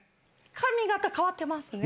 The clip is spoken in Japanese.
髪形変わってますね。